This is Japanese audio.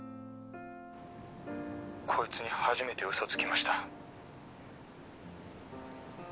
「こいつに初めて嘘つきました」